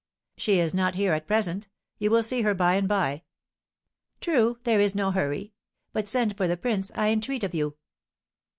"She is not here at present; you will see her by and by." "True, there is no hurry; but send for the prince, I entreat of you."